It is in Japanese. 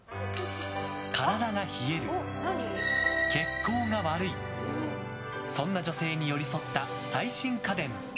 体が冷える、血行が悪いそんな女性に寄り添った最新家電。